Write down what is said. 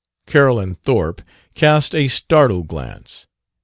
Carolyn Thorpe cast a startled glance.